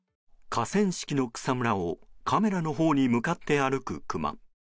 河川敷の草むらをカメラのほうに向かって歩くクマ。